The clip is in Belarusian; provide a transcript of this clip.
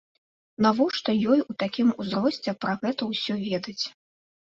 Навошта ёй у такім узросце пра гэта ўсё ведаць?